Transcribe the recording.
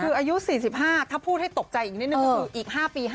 คืออายุ๔๕ถ้าพูดให้ตกใจอีกนิดนึงก็คืออีก๕ปี๕